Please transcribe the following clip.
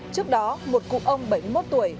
trước đó một cụ ông bảy mươi một tuổi